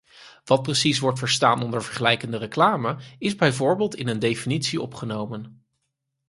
Wat precies wordt verstaan onder vergelijkende reclame is bijvoorbeeld in een definitie opgenomen.